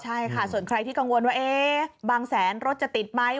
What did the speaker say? ใช่ค่ะส่วนใครที่กังวลว่าบางแสนรถจะติดไหม